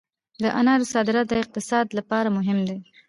د انارو صادرات د اقتصاد لپاره مهم دي